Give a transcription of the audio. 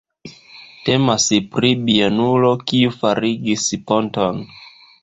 Temas pri bienulo, kiu farigis ponton.